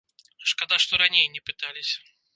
Шкада, што раней не пыталіся.